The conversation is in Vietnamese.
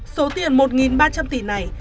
số tiền một ba trăm linh tỷ này